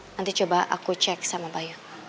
nanti coba aku cek sama bayu